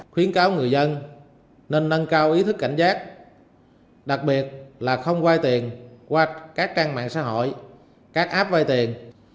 khuyến cáo người dân nên nâng cao ý thức cảnh giác đặc biệt là không quay tiền qua các trang mạng xã hội các app vay tiền